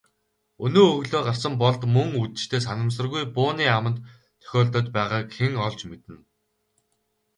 Өнөө өглөө гарсан Болд мөн үдэштээ санамсаргүй бууны аманд тохиолдоод байгааг хэн олж мэднэ.